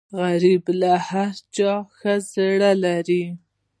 غریب له هر چا ښه زړه لري